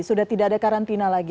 sudah tidak ada karantina lagi